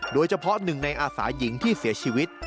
โดยเฉพาะหนึ่งในอาสาหญิงที่เสียชีวิต